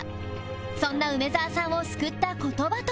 そんな梅沢さんを救った言葉とは？